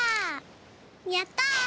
やった！